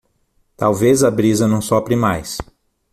Talvez a brisa não sopre mais